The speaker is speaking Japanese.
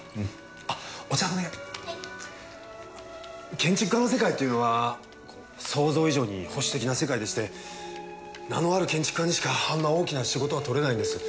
建築家の世界というのは想像以上に保守的な世界でして名のある建築家にしかあんな大きな仕事はとれないんです。